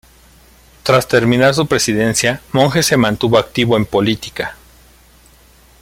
Tras terminar su presidencia Monge se mantuvo activo en política.